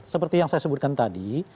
seperti yang saya sebutkan tadi